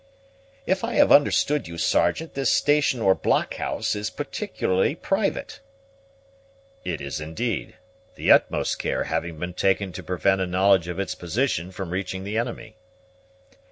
"If I have understood you, Sergeant, this station or blockhouse is particularly private." "It is, indeed, the utmost care having been taken to prevent a knowledge of its position from reaching the enemy."